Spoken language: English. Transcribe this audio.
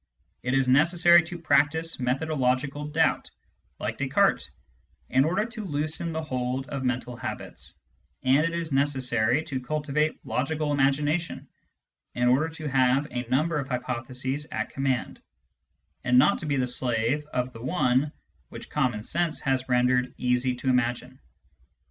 It is necessary to practise methodological doubt, like Descartes, in order to loosen the hold of mental habits ; and it is necessary to cultivate logical imagination, in order to have a number of hypotheses at command, and not to be the slave of the one which common sense has rendered easy to imagine.